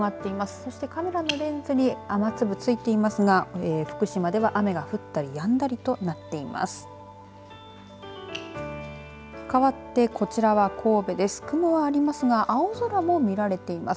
そしてカメラのレンズに雨粒がついていますが福島では雨が降ったりやんだりとなっています。